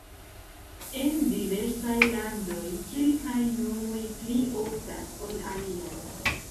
En diversaj landoj kelkaj nomoj pli oftas ol aliaj.